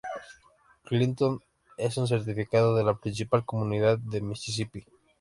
Clinton es un Certificado de la principal comunidad de Misisipi.